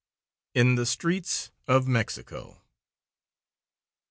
IN THE STREETS OF MEXICO.